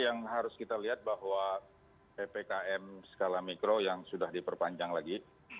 yang harus kita lihat bahwa ppkm skala mikro yang sudah diperpanjang lagi